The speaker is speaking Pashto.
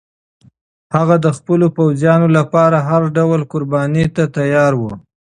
هغه د خپلو پوځیانو لپاره هر ډول قربانۍ ته تیار و.